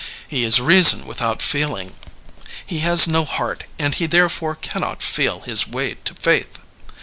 He is reason without feeling; he has no heart and he therefore cannot "feel" his way to faith.